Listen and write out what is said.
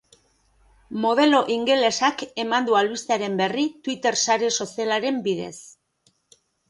Modelo ingelesak eman du albistearen berri twitter sare sozialaren bidez.